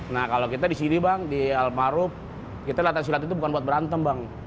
nah kalau kita di sini bang di almarhum kita latihan silat itu bukan buat berantem bang